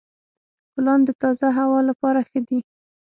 ګلان د تازه هوا لپاره ښه دي.